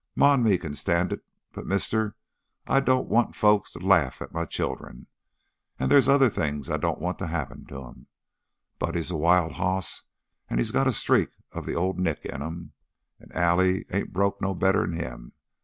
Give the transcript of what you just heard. Ma an' me can stand it, but, mister, I don't want folks to laugh at my children, and there's other things I don't want to happen to 'em. Buddy's a wild hoss and he's got a streak of the Old Nick in him. And Allie ain't broke no better 'n him.